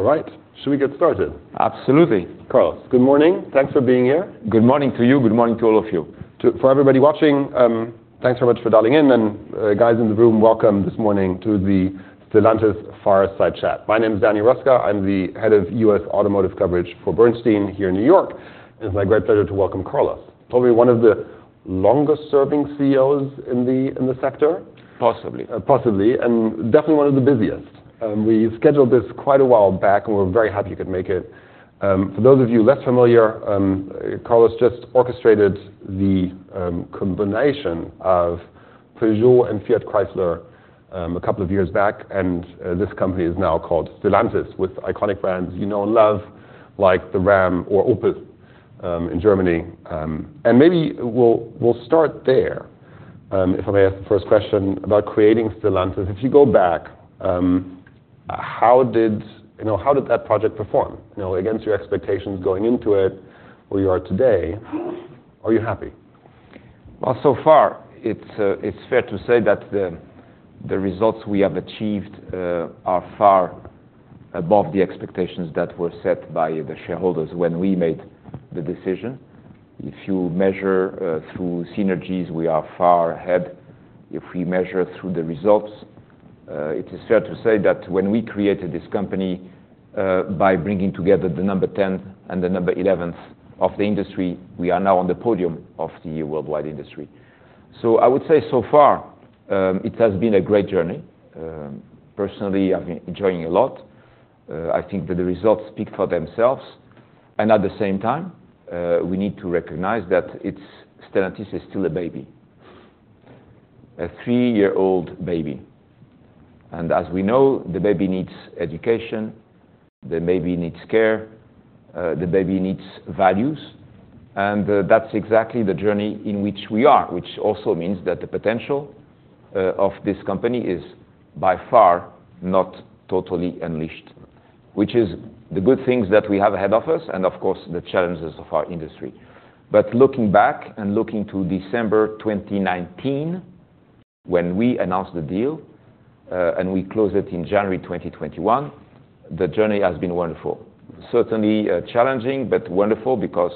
All right, should we get started? Absolutely. Carlos, good morning. Thanks for being here. Good morning to you. Good morning to all of you. For everybody watching, thanks so much for dialing in, and guys in the room, welcome this morning to the Stellantis Fireside Chat. My name is Daniel Roeska. I'm the head of U.S. Automotive Coverage for Bernstein here in New York, and it's my great pleasure to welcome Carlos. Probably one of the longest-serving CEOs in the sector? Possibly. Possibly, and definitely one of the busiest. We scheduled this quite a while back, and we're very happy you could make it. For those of you less familiar, Carlos just orchestrated the combination of Peugeot and Fiat Chrysler a couple of years back, and this company is now called Stellantis, with iconic brands you know and love, like the Ram or Opel in Germany. And maybe we'll start there. If I may ask the first question about creating Stellantis. If you go back, you know, how did that project perform? You know, against your expectations going into it, where you are today, are you happy? Well, so far, it's fair to say that the results we have achieved are far above the expectations that were set by the shareholders when we made the decision. If you measure through synergies, we are far ahead. If we measure through the results, it is fair to say that when we created this company by bringing together the number 10 and the number 11th of the industry, we are now on the podium of the worldwide industry. So I would say so far, it has been a great journey. Personally, I've been enjoying a lot. I think that the results speak for themselves, and at the same time, we need to recognize that it's, Stellantis is still a baby, a three-year-old baby, and as we know, the baby needs education, the baby needs care, the baby needs values, and, that's exactly the journey in which we are, which also means that the potential, of this company is by far not totally unleashed. Which is the good things that we have ahead of us and, of course, the challenges of our industry. But looking back and looking to December 2019, when we announced the deal, and we closed it in January 2021, the journey has been wonderful. Certainly, challenging, but wonderful because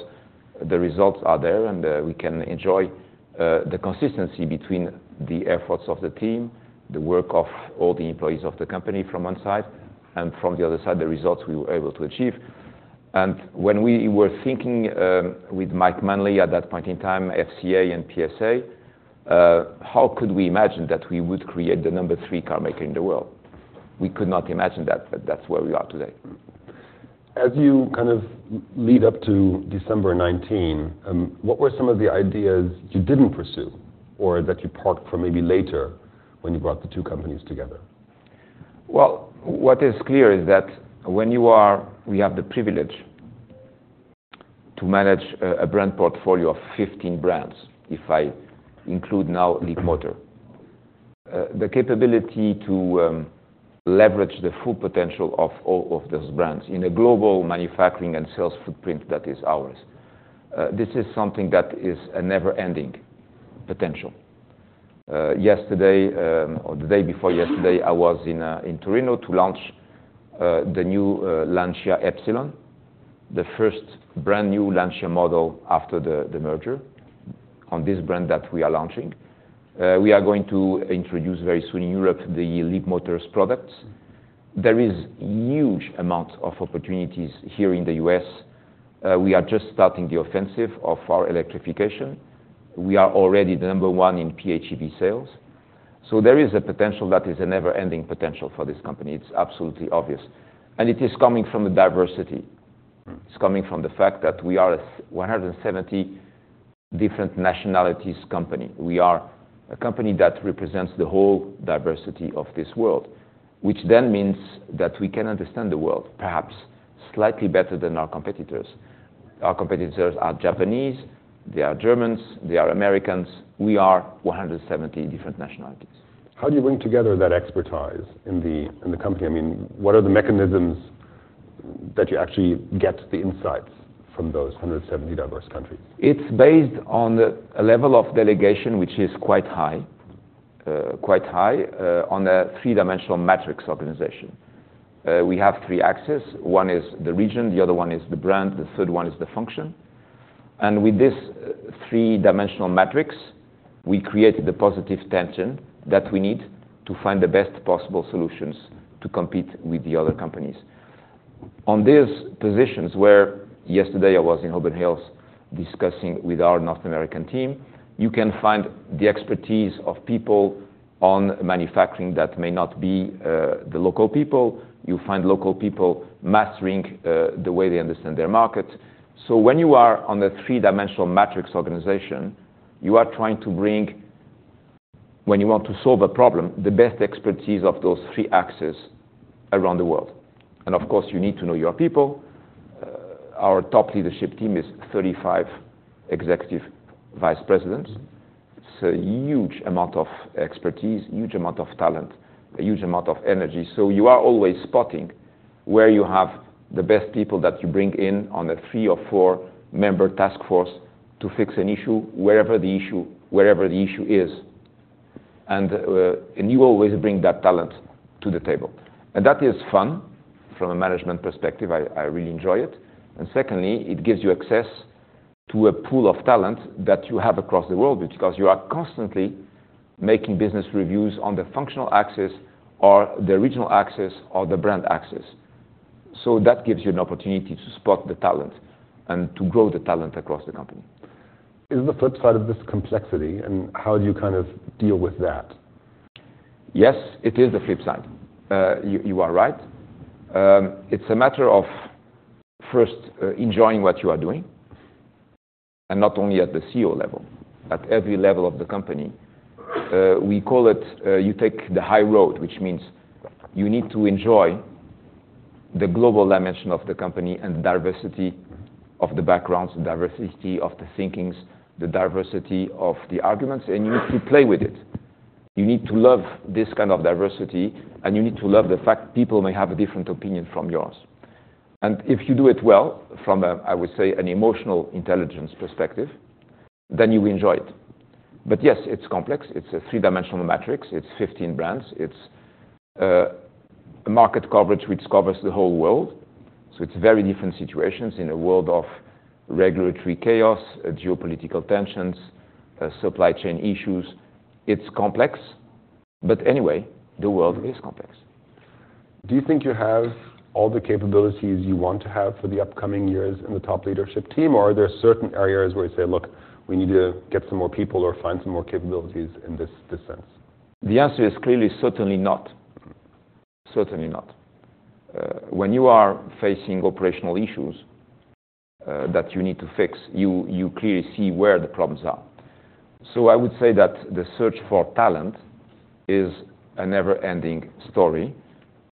the results are there, and we can enjoy the consistency between the efforts of the team, the work of all the employees of the company from one side, and from the other side, the results we were able to achieve. And when we were thinking with Mike Manley at that point in time, FCA and PSA, how could we imagine that we would create the number three car maker in the world? We could not imagine that, but that's where we are today. As you kind of lead up to December 2019, what were some of the ideas you didn't pursue or that you parked for maybe later when you brought the two companies together? Well, what is clear is that we have the privilege to manage a brand portfolio of 15 brands, if I include now Leapmotor. The capability to leverage the full potential of all of those brands in a global manufacturing and sales footprint that is ours, this is something that is a never-ending potential. Yesterday, or the day before yesterday, I was in Turin to launch the new Lancia Ypsilon, the first brand-new Lancia model after the merger on this brand that we are launching. We are going to introduce very soon in Europe the Leapmotor's products. There is huge amount of opportunities here in the U.S. We are just starting the offensive of our electrification. We are already the number one in PHEV sales, so there is a potential that is a never-ending potential for this company. It's absolutely obvious, and it is coming from the diversity. Mm. It's coming from the fact that we are a 170 different nationalities company. We are a company that represents the whole diversity of this world, which then means that we can understand the world, perhaps slightly better than our competitors. Our competitors are Japanese, they are Germans, they are Americans. We are 170 different nationalities. How do you bring together that expertise in the, in the company? I mean, what are the mechanisms that you actually get the insights from those 170 diverse countries? It's based on a level of delegation, which is quite high, quite high, on a three-dimensional matrix organization. We have three axes: one is the region, the other one is the brand, the third one is the function. And with this three-dimensional matrix, we created the positive tension that we need to find the best possible solutions to compete with the other companies. On these positions, where yesterday I was in Auburn Hills discussing with our North American team, you can find the expertise of people on manufacturing that may not be, the local people. You find local people mastering, the way they understand their market. So when you are on a three-dimensional matrix organization, you are trying to bring, when you want to solve a problem, the best expertise of those three axes around the world. Of course, you need to know your people. Our top leadership team is 35 executive vice presidents, so huge amount of expertise, huge amount of talent, a huge amount of energy. So you are always spotting where you have the best people that you bring in on a 3- or 4-member task force to fix an issue, wherever the issue, wherever the issue is... and, and you always bring that talent to the table. And that is fun from a management perspective, I, I really enjoy it. And secondly, it gives you access to a pool of talent that you have across the world, because you are constantly making business reviews on the functional axis or the original axis or the brand axis. So that gives you an opportunity to spot the talent and to grow the talent across the company. Is the flip side of this complexity, and how do you kind of deal with that? Yes, it is the flip side. You are right. It's a matter of first enjoying what you are doing, and not only at the CEO level, at every level of the company. We call it, you take the high road, which means you need to enjoy the global dimension of the company and diversity of the backgrounds, diversity of the thinkings, the diversity of the arguments, and you need to play with it. You need to love this kind of diversity, and you need to love the fact people may have a different opinion from yours. And if you do it well, from I would say an emotional intelligence perspective, then you enjoy it. But yes, it's complex. It's a 3-dimensional matrix. It's 15 brands. It's a market coverage, which covers the whole world, so it's very different situations. In a world of regulatory chaos, geopolitical tensions, supply chain issues, it's complex, but anyway, the world is complex. Do you think you have all the capabilities you want to have for the upcoming years in the top leadership team, or are there certain areas where you say, "Look, we need to get some more people or find some more capabilities in this, this sense? The answer is clearly, certainly not. Certainly not. When you are facing operational issues, that you need to fix, you clearly see where the problems are. So I would say that the search for talent is a never-ending story,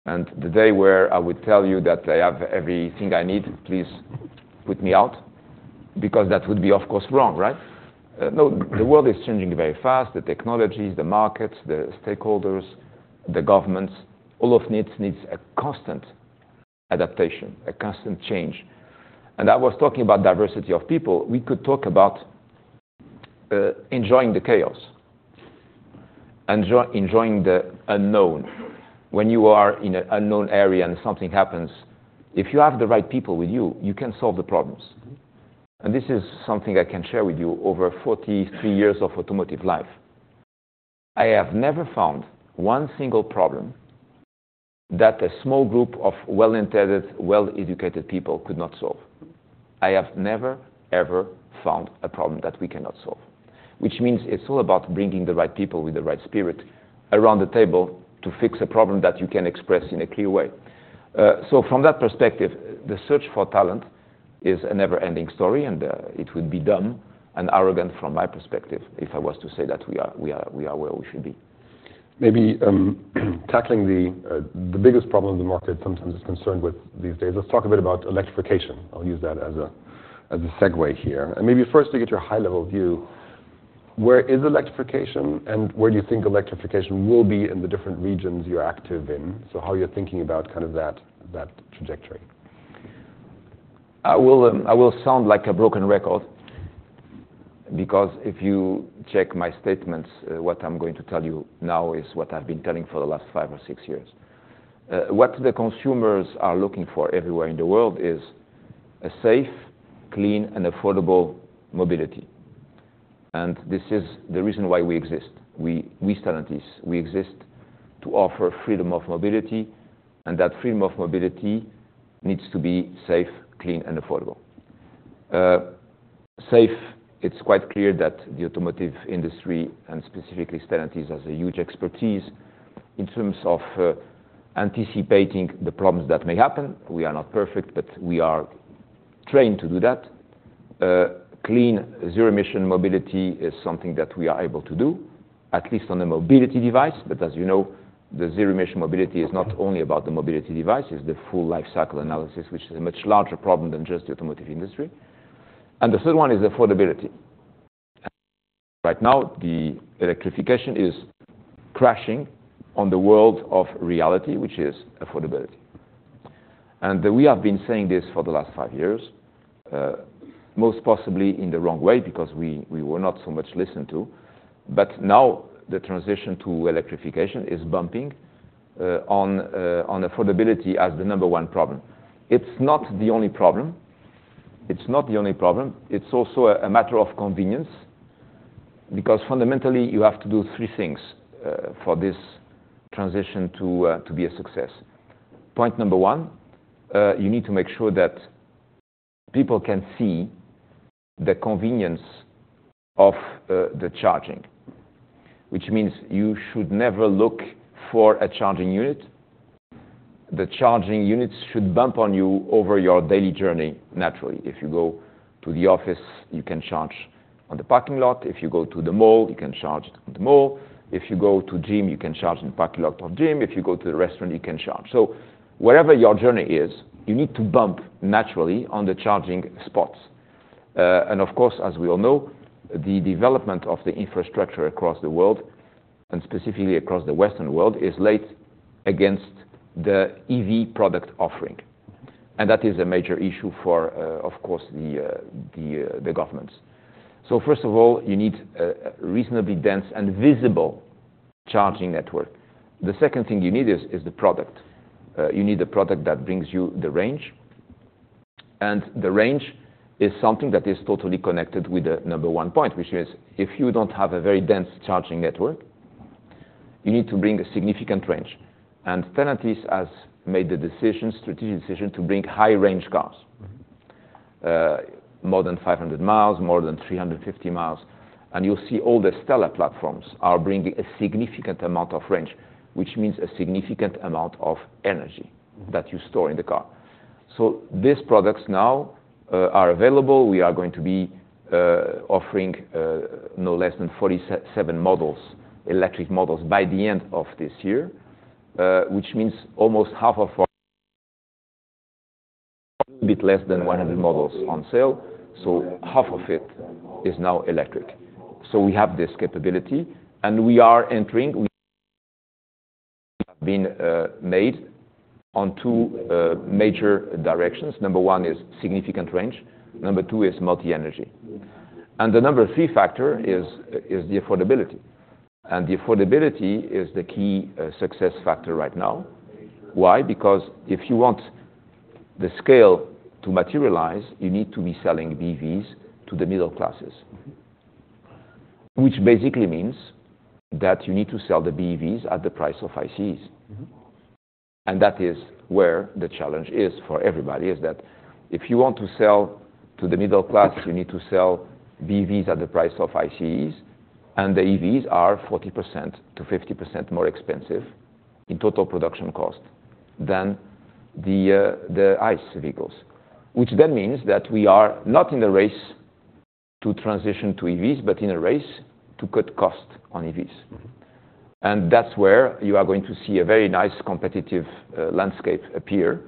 and the day where I would tell you that I have everything I need, please put me out, because that would be, of course, wrong, right? No, the world is changing very fast, the technologies, the markets, the stakeholders, the governments, all of needs, needs a constant adaptation, a constant change. And I was talking about diversity of people. We could talk about enjoying the chaos, enjoying the unknown. When you are in an unknown area and something happens, if you have the right people with you, you can solve the problems. Mm-hmm. This is something I can share with you over 43 years of automotive life: I have never found one single problem that a small group of well-intended, well-educated people could not solve. I have never, ever found a problem that we cannot solve, which means it's all about bringing the right people with the right spirit around the table to fix a problem that you can express in a clear way. So from that perspective, the search for talent is a never-ending story, and it would be dumb and arrogant from my perspective, if I was to say that we are where we should be. Maybe, tackling the, the biggest problem the market sometimes is concerned with these days. Let's talk a bit about electrification. I'll use that as a, as a segue here. Maybe first, to get your high-level view, where is electrification, and where do you think electrification will be in the different regions you're active in? So how you're thinking about kind of that, that trajectory? I will, I will sound like a broken record because if you check my statements, what I'm going to tell you now is what I've been telling you for the last five or six years. What the consumers are looking for everywhere in the world is a safe, clean, and affordable mobility, and this is the reason why we exist. We, we Stellantis, we exist to offer freedom of mobility, and that freedom of mobility needs to be safe, clean, and affordable. Safe, it's quite clear that the automotive industry, and specifically Stellantis, has a huge expertise in terms of, anticipating the problems that may happen. We are not perfect, but we are trained to do that. Clean, zero-emission mobility is something that we are able to do, at least on the mobility device. But as you know, the zero-emission mobility is not only about the mobility device, it's the full life cycle analysis, which is a much larger problem than just the automotive industry. And the third one is affordability. Right now, the electrification is crashing on the world of reality, which is affordability. And we have been saying this for the last five years, most possibly in the wrong way, because we, we were not so much listened to. But now, the transition to electrification is bumping on affordability as the number one problem. It's not the only problem. It's not the only problem. It's also a matter of convenience, because fundamentally, you have to do three things for this transition to be a success. Point number one, you need to make sure that people can see the convenience of, the charging, which means you should never look for a charging unit. The charging units should bump on you over your daily journey, naturally. If you go to the office, you can charge on the parking lot. If you go to the mall, you can charge at the mall. If you go to gym, you can charge in parking lot of gym. If you go to the restaurant, you can charge. So wherever your journey is, you need to bump naturally on the charging spots. And of course, as we all know, the development of the infrastructure across the world, and specifically across the Western world, is late against the EV product offering… and that is a major issue for, of course, the, the, the governments. So first of all, you need a reasonably dense and visible charging network. The second thing you need is the product. You need a product that brings you the range, and the range is something that is totally connected with the number one point, which is, if you don't have a very dense charging network, you need to bring a significant range. And Stellantis has made the decision, strategic decision, to bring high-range cars. More than 500 miles, more than 350 miles, and you'll see all the STLA platforms are bringing a significant amount of range, which means a significant amount of energy that you store in the car. So these products now are available. We are going to be offering no less than 47 models, electric models by the end of this year, which means almost half of our bit less than 100 models on sale, so half of it is now electric. So we have this capability, and we are entering, we been made on two major directions. Number one is significant range, number two is multi-energy. And the number three factor is the affordability, and the affordability is the key success factor right now. Why? Because if you want the scale to materialize, you need to be selling BEVs to the middle classes. Mm-hmm. Which basically means that you need to sell the BEVs at the price of ICEs. Mm-hmm. That is where the challenge is for everybody, is that if you want to sell to the middle class, you need to sell BEVs at the price of ICEs, and the EVs are 40%-50% more expensive in total production cost than the the ICE vehicles. Which then means that we are not in a race to transition to EVs, but in a race to cut costs on EVs. Mm-hmm. That's where you are going to see a very nice, competitive, landscape appear,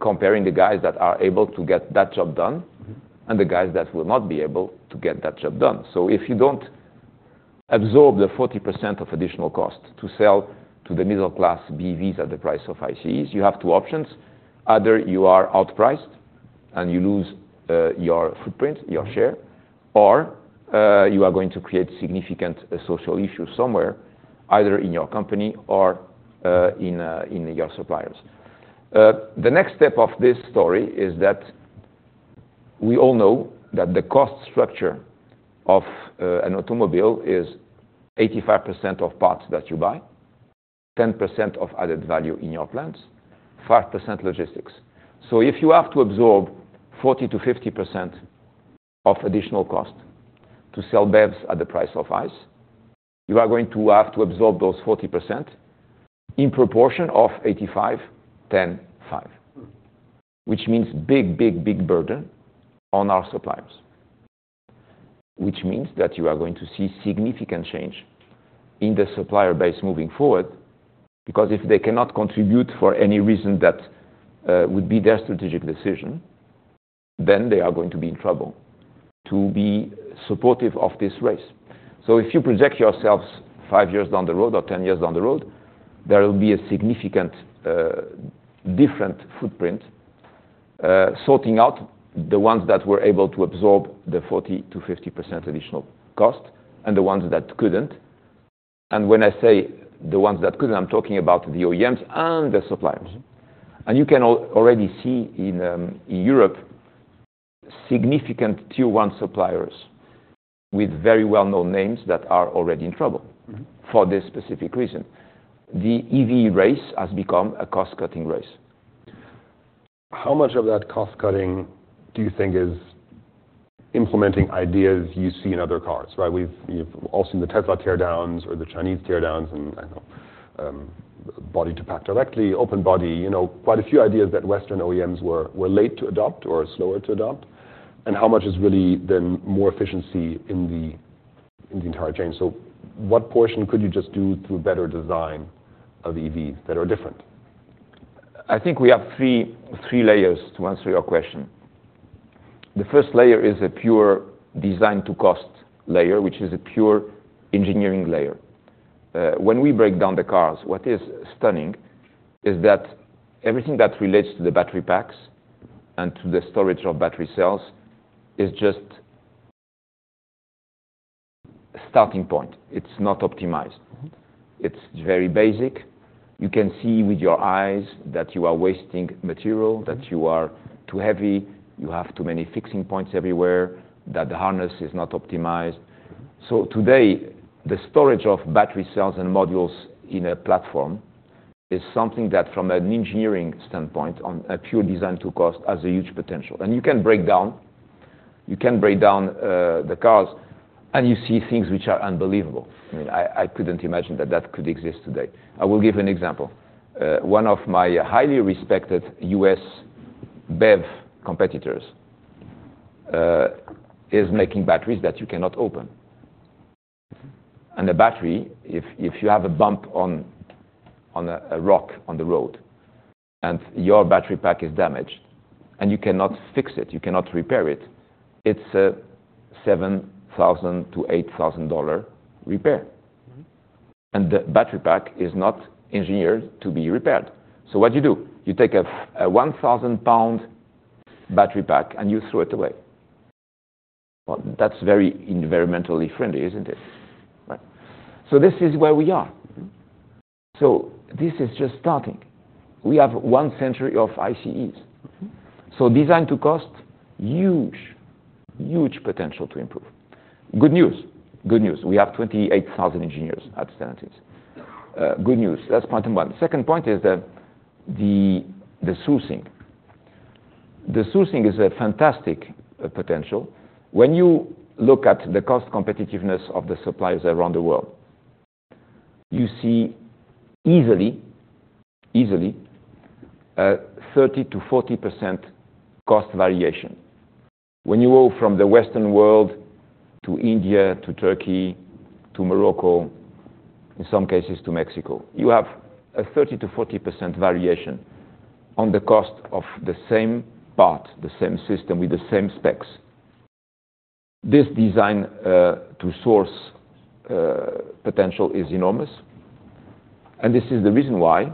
comparing the guys that are able to get that job done. Mm-hmm. - and the guys that will not be able to get that job done. So if you don't absorb the 40% of additional cost to sell to the middle class BEVs at the price of ICEs, you have two options: either you are outpriced and you lose, your footprint, your share, or, you are going to create significant social issues somewhere, either in your company or, in, in your suppliers. The next step of this story is that we all know that the cost structure of, an automobile is 85% of parts that you buy, 10% of added value in your plants, 5% logistics. If you have to absorb 40%-50% of additional cost to sell BEVs at the price of ICEs, you are going to have to absorb those 40% in proportion of 85, 10, 5. Mm. Which means big, big, big burden on our suppliers. Which means that you are going to see significant change in the supplier base moving forward, because if they cannot contribute for any reason, that, would be their strategic decision, then they are going to be in trouble to be supportive of this race. So if you project yourselves 5 years down the road or 10 years down the road, there will be a significant, different footprint, sorting out the ones that were able to absorb the 40%-50% additional cost and the ones that couldn't. And when I say the ones that couldn't, I'm talking about the OEMs and the suppliers. Mm-hmm. You can already see in Europe significant Tier 1 suppliers with very well-known names that are already in trouble. Mm-hmm. For this specific reason. The EV race has become a cost-cutting race. How much of that cost cutting do you think is implementing ideas you see in other cars, right? We've all seen the Tesla teardowns or the Chinese teardowns and, body to pack directly, open body, you know, quite a few ideas that Western OEMs were late to adopt or slower to adopt, and how much is really then more efficiency in the entire chain? So what portion could you just do through better design of EVs that are different? I think we have three, three layers to answer your question. The first layer is a pure design to cost layer, which is a pure engineering layer. When we break down the cars, what is stunning is that everything that relates to the battery packs and to the storage of battery cells is just... starting point. It's not optimized. Mm-hmm. It's very basic. You can see with your eyes that you are wasting material, that you are too heavy, you have too many fixing points everywhere, that the harness is not optimized. So today, the storage of battery cells and modules in a platform is something that, from an engineering standpoint, on a pure design to cost, has a huge potential. And you can break down the cars, and you see things which are unbelievable. I mean, I couldn't imagine that that could exist today. I will give you an example. One of my highly respected U.S. BEV competitors is making batteries that you cannot open. A battery, if you have a bump on a rock on the road, and your battery pack is damaged, and you cannot fix it, you cannot repair it, it's a $7,000-$8,000 repair, and the battery pack is not engineered to be repaired. So what do you do? You take a 1,000-pound battery pack, and you throw it away. Well, that's very environmentally friendly, isn't it? Right. So this is where we are. So this is just starting. We have one century of ICEs. Mm-hmm. So design to cost, huge, huge potential to improve. Good news, good news. We have 28,000 engineers at Stellantis. Good news, that's point number one. Second point is that the sourcing. The sourcing is a fantastic potential. When you look at the cost competitiveness of the suppliers around the world, you see easily, easily, a 30%-40% cost variation. When you go from the Western world to India, to Turkey, to Morocco, in some cases to Mexico, you have a 30%-40% variation on the cost of the same part, the same system, with the same specs. This design to source potential is enormous, and this is the reason why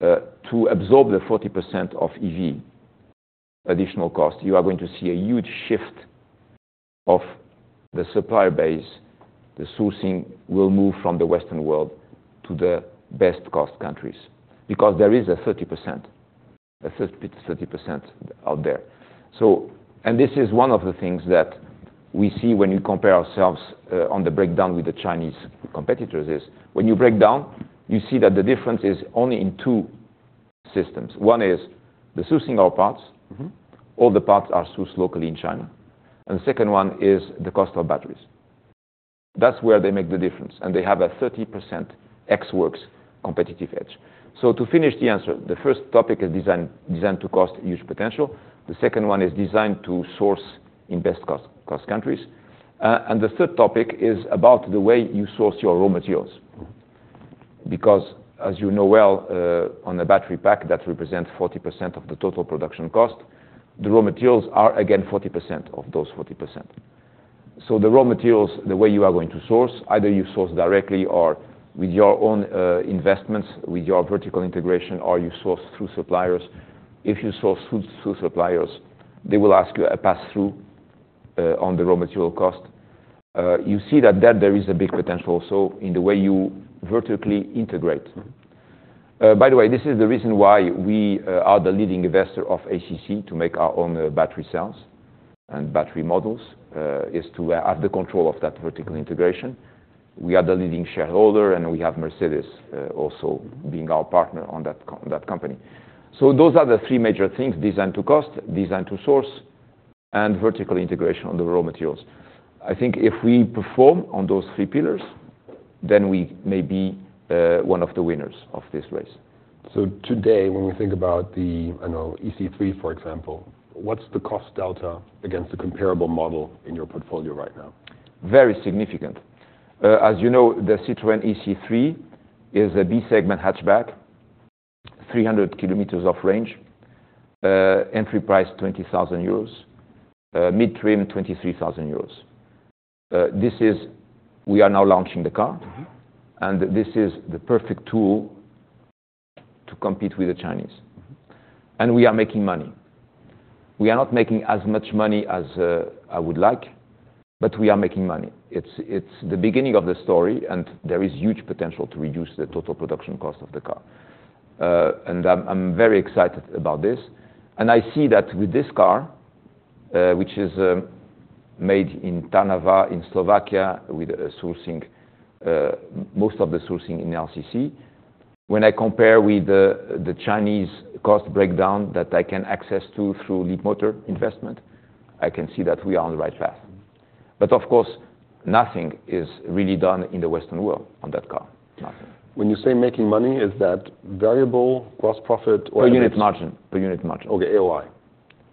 to absorb the 40% of EV additional cost, you are going to see a huge shift of the supplier base. The sourcing will move from the Western world to the best cost countries, because there is a 30%, a 30% out there. So... And this is one of the things that we see when you compare ourselves, on the breakdown with the Chinese competitors is, when you break down, you see that the difference is only in two systems. One is the sourcing our parts. Mm-hmm. All the parts are sourced locally in China. The second one is the cost of batteries. That's where they make the difference, and they have a 30% ex works competitive edge. To finish the answer, the first topic is design, design to cost, huge potential. The second one is design to source in best cost, cost countries. And the third topic is about the way you source your raw materials. Because as you know well, on the battery pack, that represents 40% of the total production cost. The raw materials are again, 40% of those 40%. The raw materials, the way you are going to source, either you source directly or with your own investments, with your vertical integration, or you source through suppliers. If you source through suppliers, they will ask you a pass-through on the raw material cost. You see that there is a big potential also in the way you vertically integrate. By the way, this is the reason why we are the leading investor of ACC, to make our own battery cells and battery models, is to have the control of that vertical integration. We are the leading shareholder, and we have Mercedes also being our partner on that company. So those are the three major things: design to cost, design to source, and vertical integration on the raw materials. I think if we perform on those three pillars, then we may be one of the winners of this race. Today, when we think about, I know, ë-C3, for example, what's the cost delta against the comparable model in your portfolio right now? Very significant. As you know, the Citroën ë-C3 is a B-segment hatchback, 300 kilometers of range, entry price, 20,000 euros, mid-term, 23,000 euros. This is... We are now launching the car. Mm-hmm. This is the perfect tool to compete with the Chinese. Mm-hmm. And we are making money. We are not making as much money as I would like, but we are making money. It's the beginning of the story, and there is huge potential to reduce the total production cost of the car. And I'm very excited about this. And I see that with this car, which is made in Trnava, in Slovakia, with most of the sourcing in LCC. When I compare with the Chinese cost breakdown that I can access to through Leapmotor investment, I can see that we are on the right path. But of course, nothing is really done in the Western world on that car. Nothing. When you say making money, is that variable, gross profit, or? Per unit margin. Per unit margin. Okay, AOI?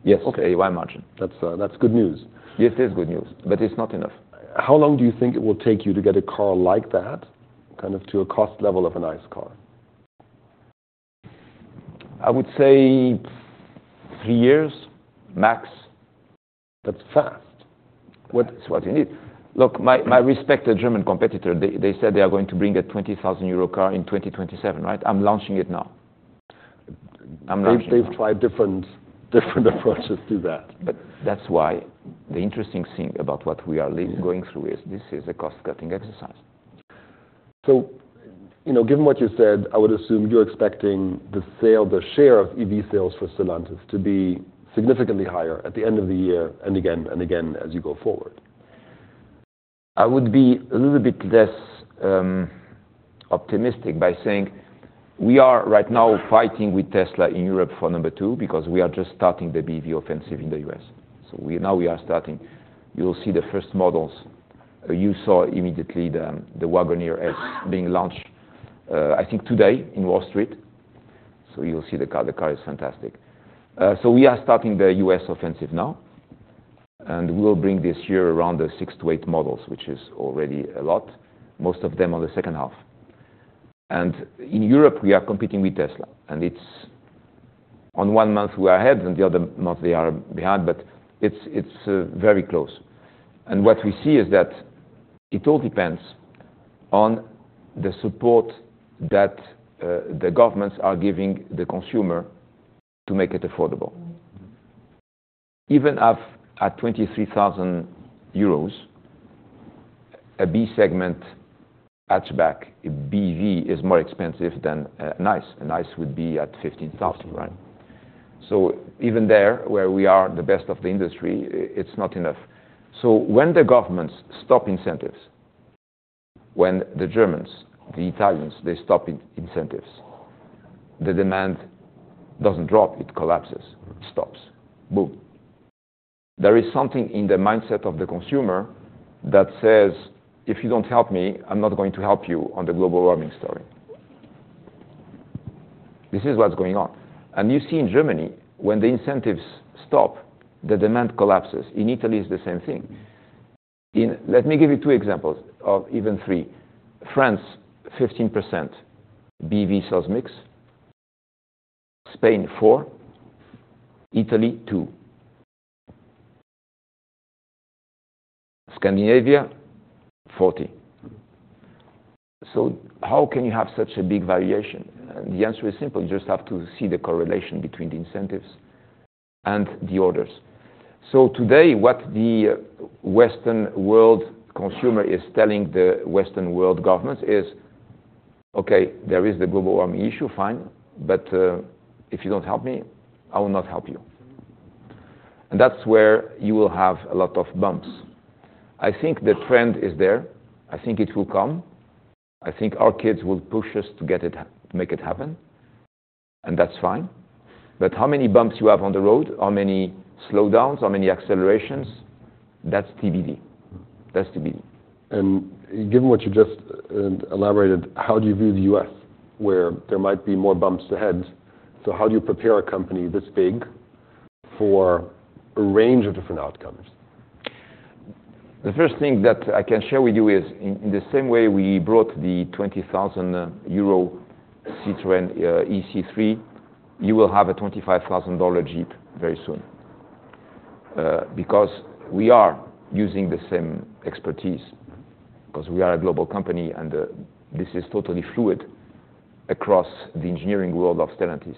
Yes. Okay. AOI margin. That's, that's good news. Yes, it is good news, but it's not enough. How long do you think it will take you to get a car like that, kind of to a cost level of a nice car? I would say three years max. That's fast. What- It's what you need. Look, my respected German competitor, they said they are going to bring a 20,000 euro car in 2027, right? I'm launching it now. I'm launching now. They, they've tried different approaches to that. But that's why the interesting thing about what we are going through is, this is a cost-cutting exercise. You know, given what you said, I would assume you're expecting the share of EV sales for Stellantis to be significantly higher at the end of the year, and again as you go forward. I would be a little bit less optimistic by saying we are right now fighting with Tesla in Europe for number two, because we are just starting the BEV offensive in the U.S. So now we are starting. You will see the first models... You saw immediately the Wagoneer as being launched, I think today in Wall Street. So you will see the car. The car is fantastic. So we are starting the U.S. offensive now, and we will bring this year around the 6-8 models, which is already a lot, most of them on the H2. And in Europe, we are competing with Tesla, and it's... on one month we are ahead, and the other month they are behind, but it's very close. And what we see is that it all depends on the support that the governments are giving the consumer to make it affordable. Even at 23,000 euros, a B-segment hatchback, a BEV, is more expensive than an ICE. An ICE would be at 15,000, right? So even there, where we are the best of the industry, it's not enough. So when the governments stop incentives, when the Germans, the Italians, they stop incentives, the demand doesn't drop, it collapses, it stops. Boom! There is something in the mindset of the consumer that says, "If you don't help me, I'm not going to help you on the global warming story." This is what's going on. And you see in Germany, when the incentives stop, the demand collapses. In Italy, it's the same thing. Let me give you two examples, or even three. France, 15% BEV sales mix. Spain, 4%. Italy, 2%. Scandinavia, 40%. So how can you have such a big variation? The answer is simple: you just have to see the correlation between the incentives and the orders. So today, what the Western world consumer is telling the Western world governments is, "Okay, there is the global warming issue, fine, but if you don't help me, I will not help you." And that's where you will have a lot of bumps. I think the trend is there. I think it will come. I think our kids will push us to get it to make it happen, and that's fine. But how many bumps you have on the road, how many slowdowns, how many accelerations, that's TBD. That's TBD. Given what you just elaborated, how do you view the U.S., where there might be more bumps ahead? So how do you prepare a company this big for a range of different outcomes? The first thing that I can share with you is, in the same way we brought the 20,000 euro Citroën ë-C3, you will have a $25,000 Jeep very soon. Because we are using the same expertise, 'cause we are a global company, and this is totally fluid across the engineering world of Stellantis.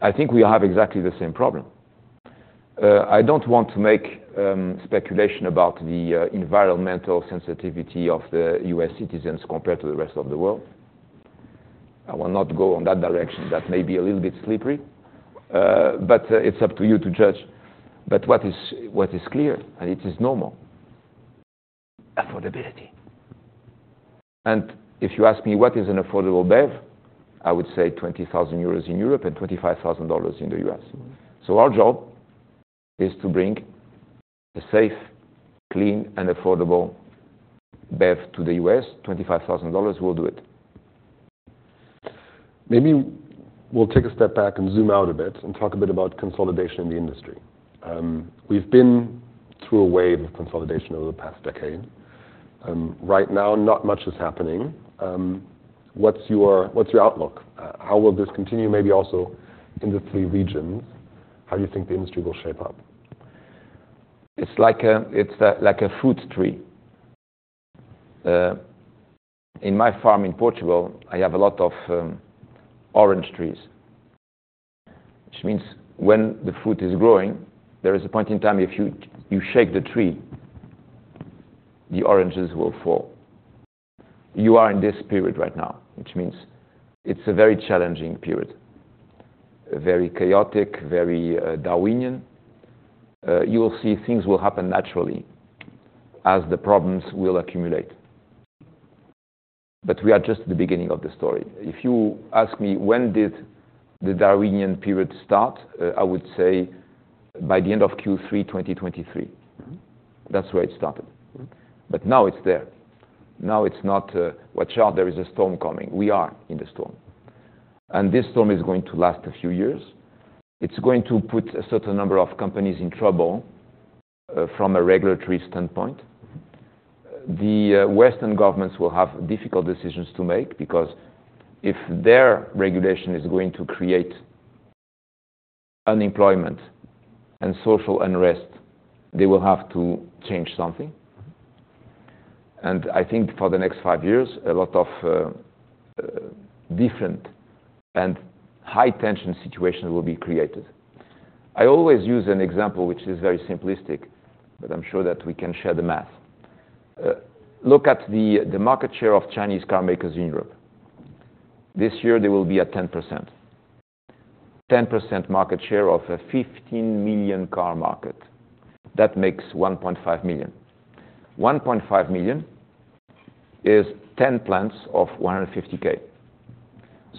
I think we have exactly the same problem. I don't want to make speculation about the environmental sensitivity of the U.S. citizens compared to the rest of the world. I will not go on that direction. That may be a little bit slippery, but it's up to you to judge. But what is clear, and it is normal: affordability. If you ask me what is an affordable BEV, I would say 20,000 euros in Europe and $25,000 in the U.S. Our job is to bring a safe, clean, and affordable BEV to the U.S. $25,000 will do it. Maybe we'll take a step back and zoom out a bit and talk a bit about consolidation in the industry. We've been through a wave of consolidation over the past decade, right now, not much is happening. What's your outlook? How will this continue, maybe also in the three regions? How do you think the industry will shape up? It's like a fruit tree. In my farm in Portugal, I have a lot of orange trees, which means when the fruit is growing, there is a point in time, if you shake the tree, the oranges will fall. You are in this period right now, which means it's a very challenging period, a very chaotic, very Darwinian. You will see things will happen naturally as the problems will accumulate. But we are just at the beginning of the story. If you ask me, when did the Darwinian period start? I would say by the end of Q3, 2023. Mm-hmm. That's where it started. Mm-hmm. But now it's there. Now, it's not, watch out, there is a storm coming. We are in the storm, and this storm is going to last a few years. It's going to put a certain number of companies in trouble, from a regulatory standpoint. The Western governments will have difficult decisions to make because if their regulation is going to create unemployment and social unrest, they will have to change something. Mm-hmm. I think for the next five years, a lot of different and high-tension situations will be created. I always use an example, which is very simplistic, but I'm sure that we can share the math. Look at the market share of Chinese car makers in Europe. This year, they will be at 10%. 10% market share of a 15 million car market. That makes 1.5 million. 1.5 million is 10 plants of 150K.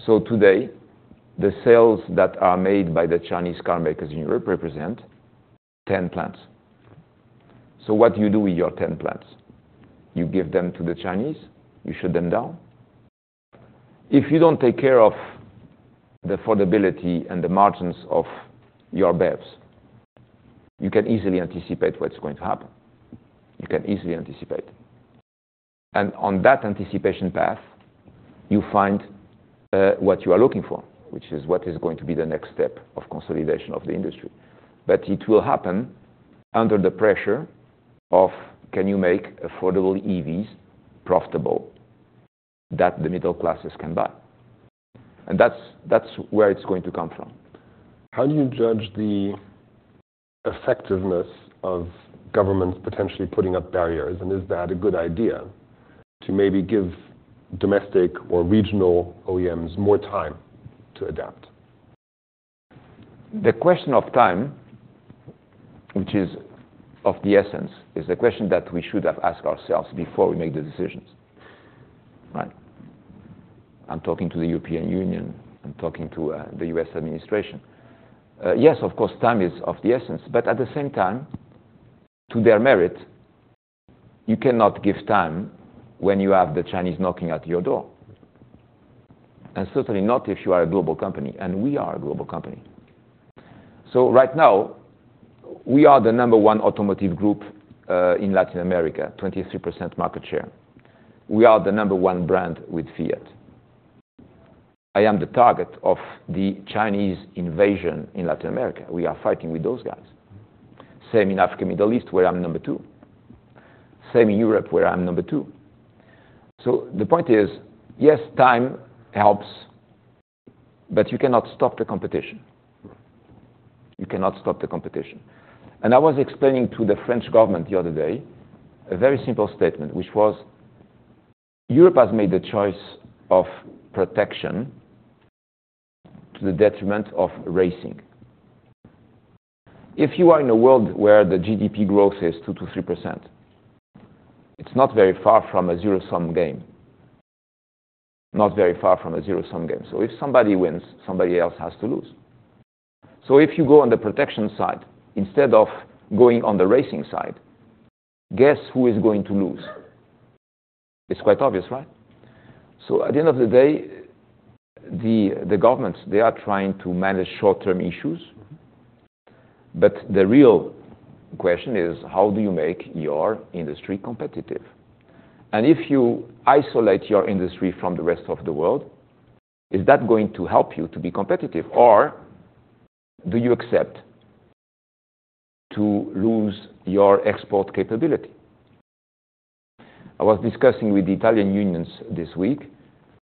So today, the sales that are made by the Chinese car makers in Europe represent 10 plants. So what do you do with your 10 plants? You give them to the Chinese? You shut them down? If you don't take care of the affordability and the margins of your BEVs, you can easily anticipate what's going to happen. You can easily anticipate. On that anticipation path, you find what you are looking for, which is what is going to be the next step of consolidation of the industry. But it will happen under the pressure of can you make affordable EVs profitable, that the middle classes can buy? That's, that's where it's going to come from. How do you judge the effectiveness of governments potentially putting up barriers, and is that a good idea to maybe give domestic or regional OEMs more time to adapt? The question of time, which is of the essence, is the question that we should have asked ourselves before we made the decisions, right? I'm talking to the European Union, I'm talking to the U.S. administration. Yes, of course, time is of the essence, but at the same time, to their merit, you cannot give time when you have the Chinese knocking at your door, and certainly not if you are a global company, and we are a global company. So right now, we are the number one automotive group in Latin America, 23% market share. We are the number one brand with Fiat. I am the target of the Chinese invasion in Latin America. We are fighting with those guys. Same in Africa, Middle East, where I'm number two. Same in Europe, where I'm number two. So the point is, yes, time helps, but you cannot stop the competition. You cannot stop the competition. I was explaining to the French government the other day a very simple statement, which was: Europe has made the choice of protection to the detriment of racing. If you are in a world where the GDP growth is 2%-3%, it's not very far from a zero-sum game. Not very far from a zero-sum game. If somebody wins, somebody else has to lose. If you go on the protection side, instead of going on the racing side, guess who is going to lose? It's quite obvious, right? At the end of the day, the governments, they are trying to manage short-term issues, but the real question is: how do you make your industry competitive? If you isolate your industry from the rest of the world, is that going to help you to be competitive, or do you accept to lose your export capability? I was discussing with the Italian unions this week,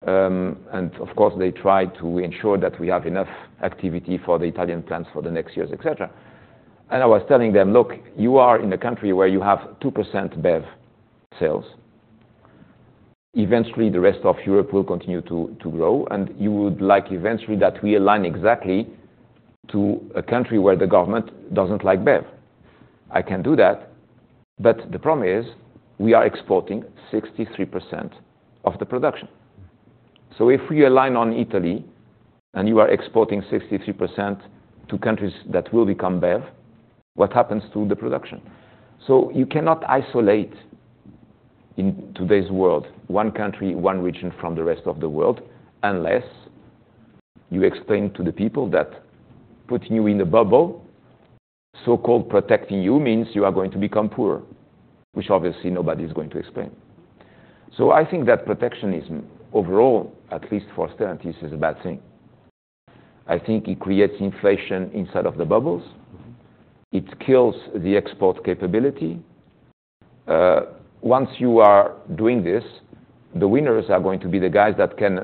and of course, they tried to ensure that we have enough activity for the Italian plants for the next years, et cetera. I was telling them, "Look, you are in a country where you have 2% BEV sales. Eventually, the rest of Europe will continue to grow, and you would like eventually that we align exactly to a country where the government doesn't like BEV. I can do that, but the problem is, we are exporting 63% of the production. So if we align on Italy, and you are exporting 63% to countries that will become BEV, what happens to the production?" So you cannot isolate, in today's world, one country, one region from the rest of the world, unless you explain to the people that putting you in a bubble, so-called protecting you, means you are going to become poorer, which obviously nobody is going to explain. So I think that protectionism, overall, at least for Stellantis, is a bad thing. I think it creates inflation inside of the bubbles. Mm-hmm. It kills the export capability. Once you are doing this, the winners are going to be the guys that can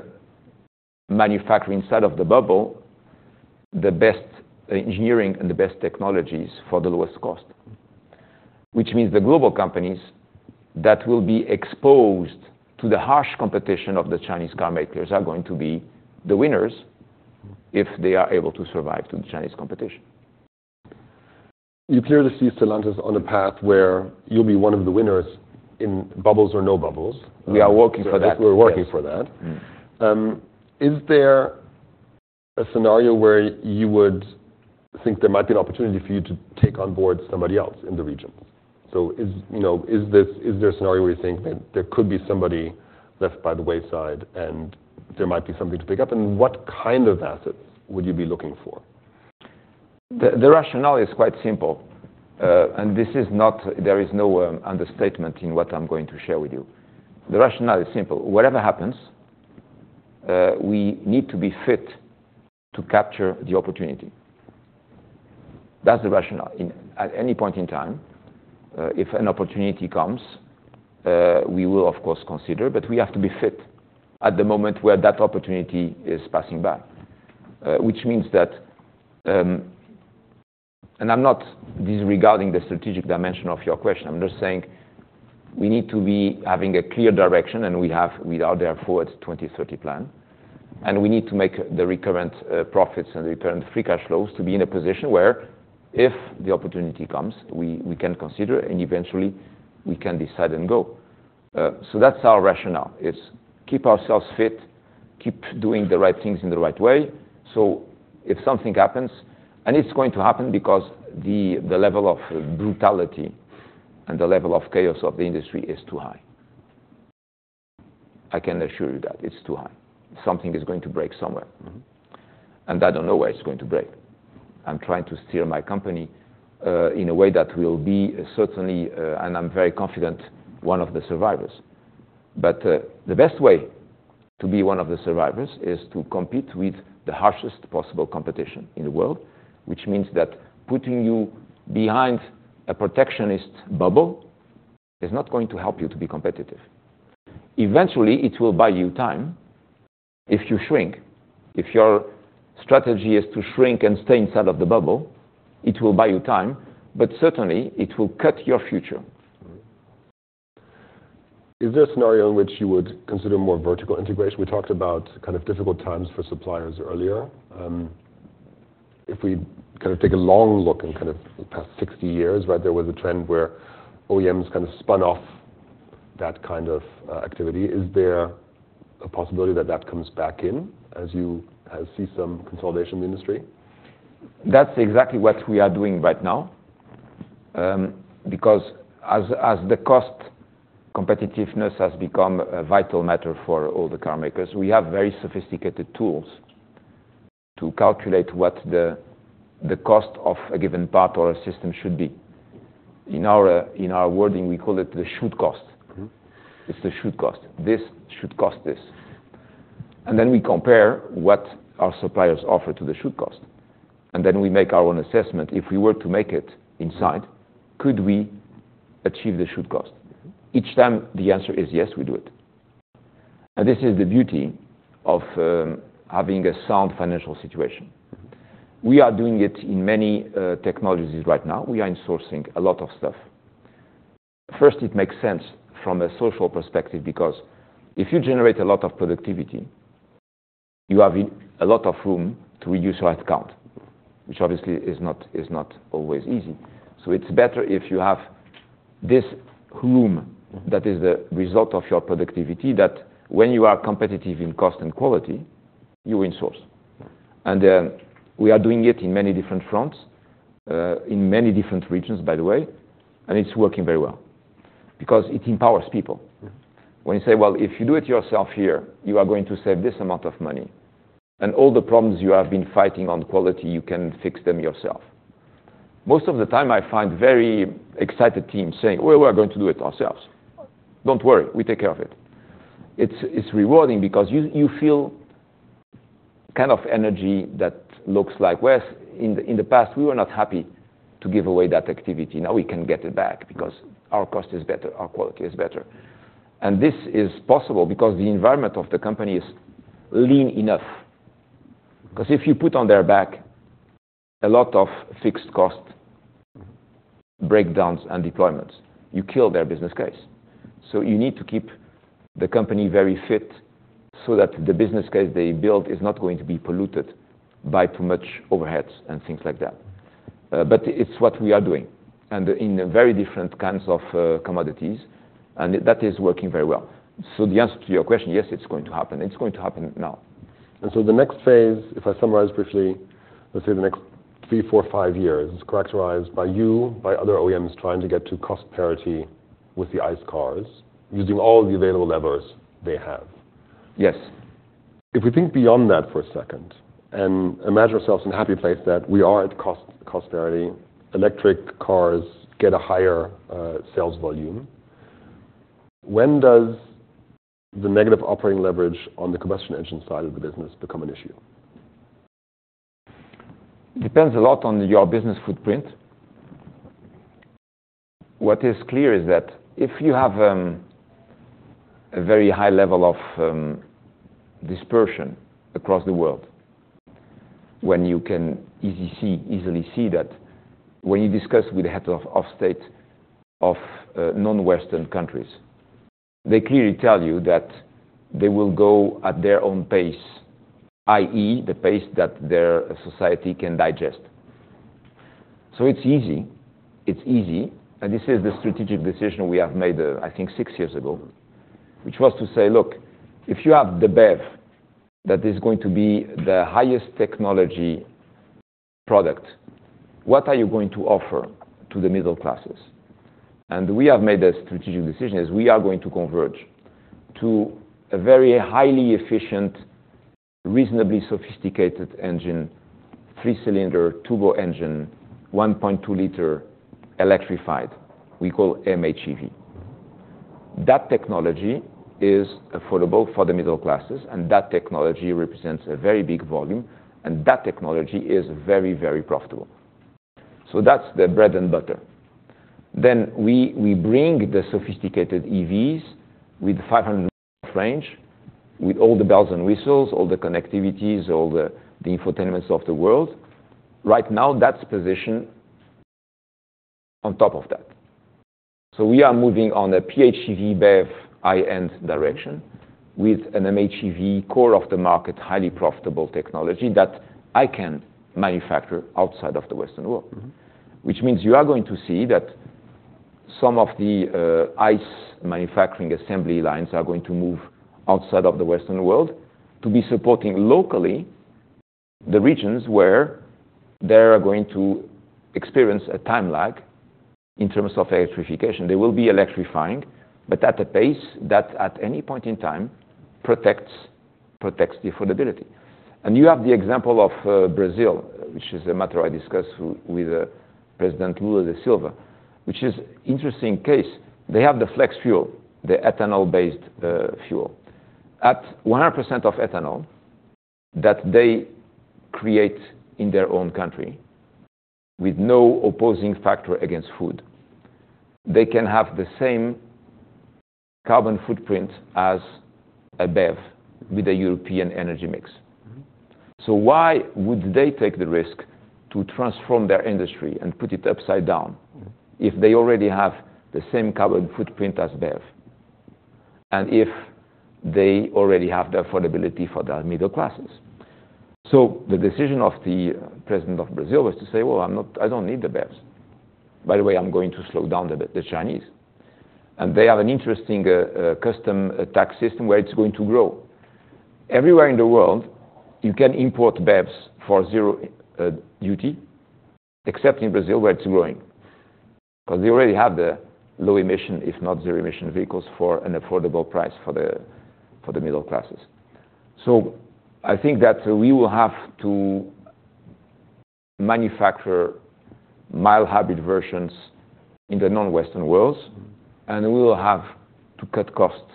manufacture inside of the bubble, the best engineering and the best technologies for the lowest cost. Which means the global companies that will be exposed to the harsh competition of the Chinese car makers are going to be the winners, if they are able to survive through the Chinese competition. You clearly see Stellantis on a path where you'll be one of the winners in bubbles or no bubbles. We are working for that. We're working for that. Mm. Is there a scenario where you would think there might be an opportunity for you to take on board somebody else in the region? So, you know, is there a scenario where you think that there could be somebody left by the wayside and there might be something to pick up, and what kind of assets would you be looking for? The rationale is quite simple, and this is not an understatement in what I'm going to share with you. The rationale is simple: Whatever happens, we need to be fit to capture the opportunity. That's the rationale. At any point in time, if an opportunity comes, we will, of course, consider, but we have to be fit at the moment where that opportunity is passing by. Which means that, I'm not disregarding the strategic dimension of your question, I'm just saying, we need to be having a clear direction, and we have, with our Dare Forward 2030 plan, and we need to make the recurrent profits and recurrent free cash flows to be in a position where if the opportunity comes, we can consider and eventually we can decide and go. So that's our rationale, is keep ourselves fit, keep doing the right things in the right way, so if something happens, and it's going to happen because the level of brutality and the level of chaos of the industry is too high.... I can assure you that it's too high. Something is going to break somewhere. And I don't know where it's going to break. I'm trying to steer my company in a way that will be certainly, and I'm very confident, one of the survivors. But the best way to be one of the survivors is to compete with the harshest possible competition in the world, which means that putting you behind a protectionist bubble is not going to help you to be competitive. Eventually, it will buy you time if you shrink. If your strategy is to shrink and stay inside of the bubble, it will buy you time, but certainly, it will cut your future. Mm-hmm. Is there a scenario in which you would consider more vertical integration? We talked about kind of difficult times for suppliers earlier. If we kind of take a long look in kind of the past 60 years, right, there was a trend where OEMs kind of spun off that kind of activity. Is there a possibility that that comes back in as you see some consolidation in the industry? That's exactly what we are doing right now. Because as the cost competitiveness has become a vital matter for all the car makers, we have very sophisticated tools to calculate what the cost of a given part or a system should be. In our wording, we call it the should cost. Mm-hmm. It's the should cost. This should cost this. And then we compare what our suppliers offer to the should cost, and then we make our own assessment. If we were to make it inside, could we achieve the should cost? Mm-hmm. Each time the answer is yes, we do it. This is the beauty of having a sound financial situation. We are doing it in many technologies right now. We are insourcing a lot of stuff. First, it makes sense from a social perspective, because if you generate a lot of productivity, you have a lot of room to reduce your head count, which obviously is not always easy. It's better if you have this room- Mm-hmm... that is the result of your productivity, that when you are competitive in cost and quality, you win source. And, we are doing it in many different fronts, in many different regions, by the way, and it's working very well because it empowers people. Mm-hmm. When you say, "Well, if you do it yourself here, you are going to save this amount of money, and all the problems you have been fighting on quality, you can fix them yourself." Most of the time, I find very excited teams saying, "Well, we are going to do it ourselves. Don't worry, we take care of it." It's rewarding because you feel kind of energy that looks like, "Well, in the past, we were not happy to give away that activity. Now we can get it back because our cost is better, our quality is better." And this is possible because the environment of the company is lean enough. Because if you put on their back a lot of fixed cost, breakdowns and deployments, you kill their business case. So you need to keep the company very fit so that the business case they build is not going to be polluted by too much overheads and things like that. But it's what we are doing, and in a very different kinds of commodities, and that is working very well. So the answer to your question, yes, it's going to happen. It's going to happen now. The next phase, if I summarize briefly, let's say the next 3, 4, 5 years, is characterized by you, by other OEMs trying to get to cost parity with the ICE cars, using all the available levers they have. Yes. If we think beyond that for a second and imagine ourselves in a happy place, that we are at cost, cost parity, electric cars get a higher sales volume. When does the negative operating leverage on the combustion engine side of the business become an issue? Depends a lot on your business footprint. What is clear is that if you have a very high level of dispersion across the world, when you can easily see that, when you discuss with the head of state of non-Western countries, they clearly tell you that they will go at their own pace, i.e., the pace that their society can digest. So it's easy. It's easy, and this is the strategic decision we have made, I think six years ago, which was to say: Look, if you have the BEV, that is going to be the highest technology product, what are you going to offer to the middle classes? And we have made a strategic decision, is we are going to converge to a very highly efficient, reasonably sophisticated engine, three-cylinder, turbo engine, 1.2-liter electrified, we call MHEV. That technology is affordable for the middle classes, and that technology represents a very big volume, and that technology is very, very profitable. So that's the bread and butter. Then we bring the sophisticated EVs with 500 range, with all the bells and whistles, all the connectivities, all the infotainments of the world. Right now, that's positioned on top of that. So we are moving on a PHEV, BEV, high-end direction with an MHEV core of the market, highly profitable technology that I can manufacture outside of the Western world. Mm-hmm. Which means you are going to see that some of the ICE manufacturing assembly lines are going to move outside of the Western world to be supporting locally the regions where they are going to experience a time lag in terms of electrification. They will be electrifying, but at a pace that, at any point in time, protects the affordability. And you have the example of Brazil, which is a matter I discussed with President Lula da Silva, which is interesting case. They have the flex fuel, the ethanol-based fuel. At 100% of ethanol that they create in their own country with no opposing factor against food, they can have the same carbon footprint as a BEV with a European energy mix. Mm-hmm. So why would they take the risk to transform their industry and put it upside down? Mm. If they already have the same carbon footprint as BEV, and if they already have the affordability for their middle classes? So the decision of the president of Brazil was to say: "Well, I'm not—I don't need the BEVs. By the way, I'm going to slow down the, the Chinese." And they have an interesting customs tax system where it's going to grow. Everywhere in the world you can import BEVs for zero duty, except in Brazil, where it's growing, because they already have the low-emission, if not zero-emission vehicles, for an affordable price for the middle classes. So I think that we will have to manufacture mild hybrid versions in the non-Western worlds. Mm-hmm. and we will have to cut costs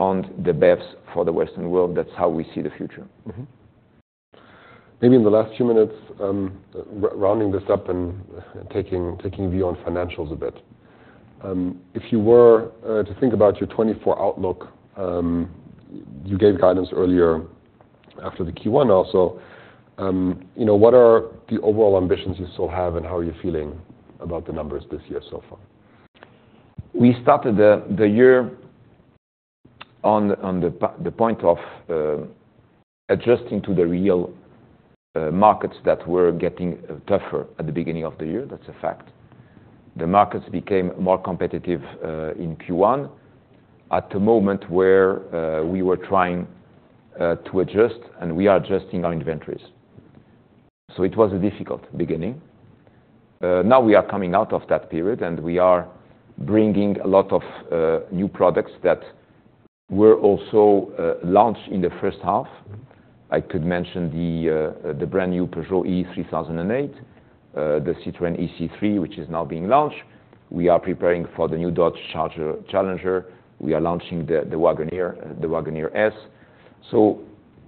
on the BEVs for the Western world. That's how we see the future. Mm-hmm. Maybe in the last few minutes, rounding this up and taking a view on financials a bit. If you were to think about your 2024 outlook, you gave guidance earlier after the Q1 also. You know, what are the overall ambitions you still have, and how are you feeling about the numbers this year so far? We started the year on the point of adjusting to the real markets that were getting tougher at the beginning of the year. That's a fact. The markets became more competitive in Q1, at a moment where we were trying to adjust, and we are adjusting our inventories. So it was a difficult beginning. Now we are coming out of that period, and we are bringing a lot of new products that were also launched in the H1. I could mention the brand new Peugeot E-3008, the Citroën ë-C3, which is now being launched. We are preparing for the new Dodge Charger... Challenger. We are launching the Wagoneer, the Wagoneer S. So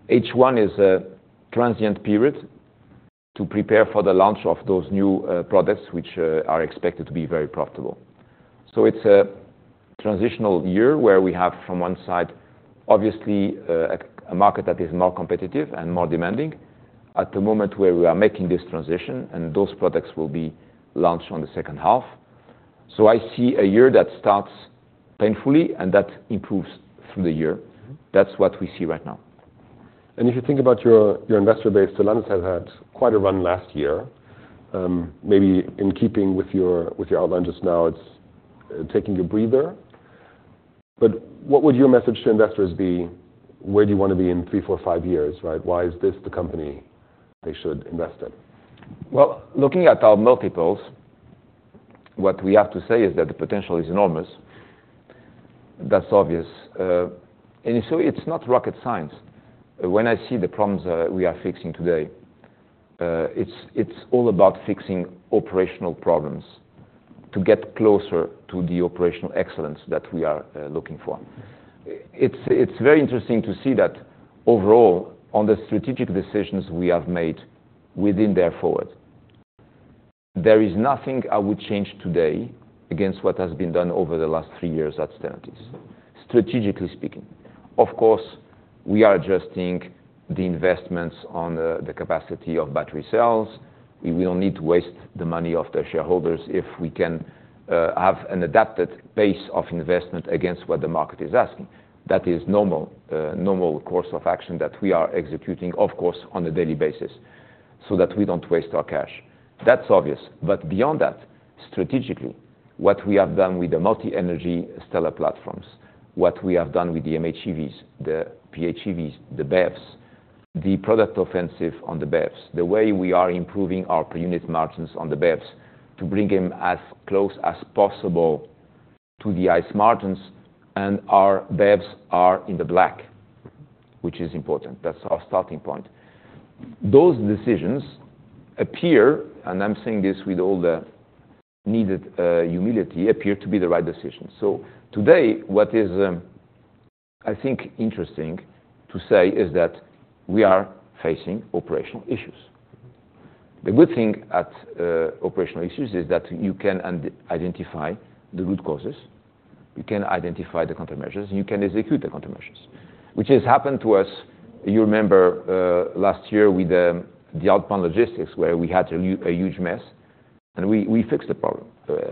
H1 is a transient period to prepare for the launch of those new products, which are expected to be very profitable. So it's a transitional year, where we have, from one side, obviously, a market that is more competitive and more demanding at the moment where we are making this transition, and those products will be launched on the H2. So I see a year that starts painfully and that improves through the year. Mm-hmm. That's what we see right now. If you think about your investor base, Stellantis has had quite a run last year. Maybe in keeping with your outline just now, it's taking a breather. But what would your message to investors be? Where do you want to be in three, four, five years, right? Why is this the company they should invest in? Well, looking at our multiples, what we have to say is that the potential is enormous. That's obvious. And so it's not rocket science. When I see the problems that we are fixing today, it's all about fixing operational problems to get closer to the operational excellence that we are looking for. It's very interesting to see that overall, on the strategic decisions we have made within Dare Forward, there is nothing I would change today against what has been done over the last three years at Stellantis, strategically speaking. Of course, we are adjusting the investments on the capacity of battery cells. We will need to waste the money of the shareholders if we can have an adapted base of investment against what the market is asking. That is normal, normal course of action that we are executing, of course, on a daily basis, so that we don't waste our cash. That's obvious. But beyond that, strategically, what we have done with the multi-energy STLA platforms, what we have done with the MHEVs, the PHEVs, the BEVs, the product offensive on the BEVs, the way we are improving our per unit margins on the BEVs to bring them as close as possible to the ICE margins, and our BEVs are in the black, which is important. That's our starting point. Those decisions appear, and I'm saying this with all the needed, humility, appear to be the right decision. So today, what is, I think, interesting to say, is that we are facing operational issues. The good thing about operational issues is that you can identify the root causes, you can identify the countermeasures, and you can execute the countermeasures, which has happened to us. You remember last year with the outbound logistics, where we had a huge mess, and we fixed the problem.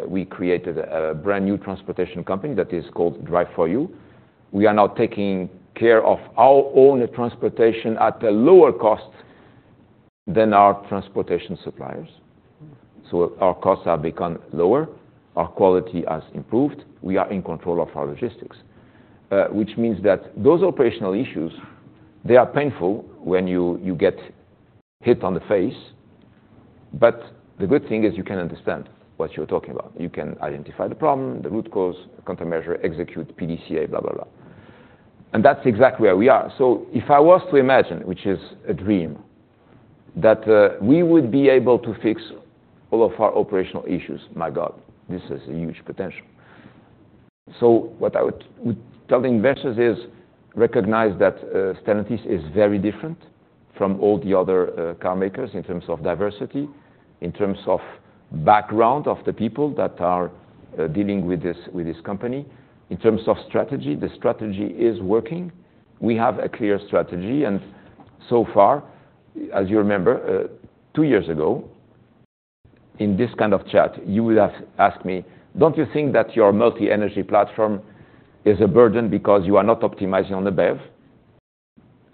We created a brand-new transportation company that is called Drive4You. We are now taking care of our own transportation at a lower cost than our transportation suppliers... so our costs have become lower, our quality has improved, we are in control of our logistics. Which means that those operational issues, they are painful when you get hit on the face, but the good thing is you can understand what you're talking about. You can identify the problem, the root cause, countermeasure, execute PDCA, blah, blah, blah. And that's exactly where we are. So if I was to imagine, which is a dream, that we would be able to fix all of our operational issues, my God, this is a huge potential! So what I would tell the investors is, recognize that Stellantis is very different from all the other car makers in terms of diversity, in terms of background of the people that are dealing with this, with this company. In terms of strategy, the strategy is working. We have a clear strategy, and so far, as you remember, two years ago, in this kind of chat, you would have asked me: Don't you think that your multi-energy platform is a burden because you are not optimizing on the BEV?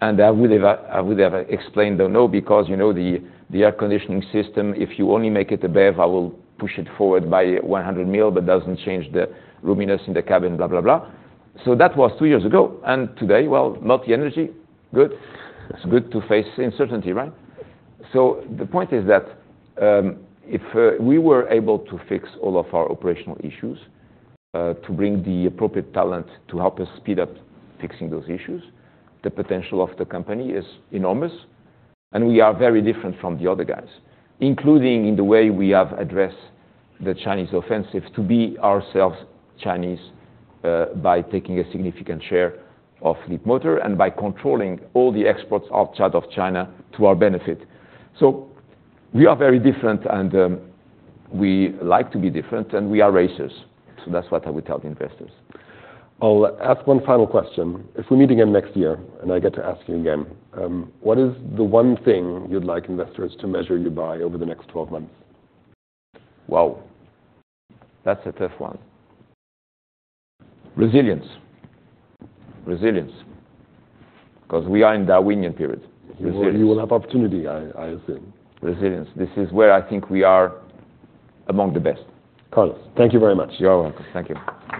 And I would have, I would have explained, no, because, you know, the air conditioning system, if you only make it a BEV, I will push it forward by 100 mil, but doesn't change the roominess in the cabin, blah, blah, blah. So that was two years ago, and today, well, multi-energy, good. It's good to face uncertainty, right? So the point is that, if we were able to fix all of our operational issues, to bring the appropriate talent to help us speed up fixing those issues, the potential of the company is enormous, and we are very different from the other guys, including in the way we have addressed the Chinese offensive, to be ourselves Chinese, by taking a significant share of Leapmotor and by controlling all the exports out of China to our benefit. So we are very different, and we like to be different, and we are racers. So that's what I would tell the investors. I'll ask one final question: If we meet again next year, and I get to ask you again, what is the one thing you'd like investors to measure you by over the next 12 months? Wow! That's a tough one. Resilience. Resilience, 'cause we are in Darwinian period. Resilience. You will have opportunity, I assume. Resilience. This is where I think we are among the best. Carlos, thank you very much. You are welcome. Thank you.